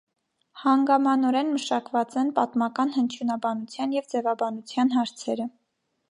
Հանգամանորեն մշակված են պատմական հնչյունաբանության և ձևաբանության հարցերը։